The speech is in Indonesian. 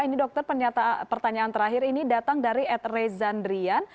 ini dokter pertanyaan terakhir ini datang dari ed rezandrian